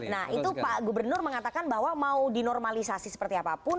nah itu pak gubernur mengatakan bahwa mau dinormalisasi seperti apapun